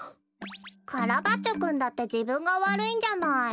カラバッチョくんだってじぶんがわるいんじゃない。